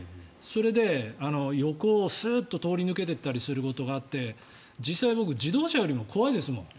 それで横をスーッと通り抜けていったりすることがあって実際僕、自動車よりも怖いですもん。